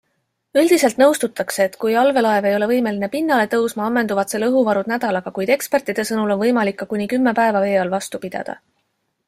Üldiselt nõustutakse, et kui allveelaev ei ole võimeline pinnale tõusma, ammenduvad selle õhuvarud nädalaga, kuid ekspertide sõnul on võimalik ka kuni kümme päeva vee all vastu pidada.